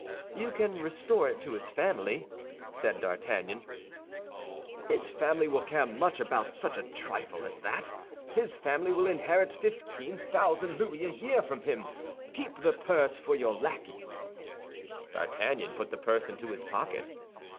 "You can restore it to his family," said D'Artagnan. "His family will care much about such a trifle as that! His family will inherit fifteen thousand louis a year from him. Keep the purse for your lackeys." D'Artagnan put the purse into his pocket.